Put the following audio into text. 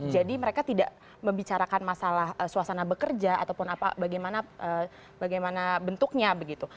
jadi mereka tidak membicarakan masalah suasana bekerja ataupun bagaimana bentuknya begitu